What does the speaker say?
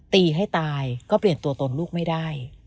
ตีให้ตายก็เปลี่ยนตัวตนลูกไม่ได้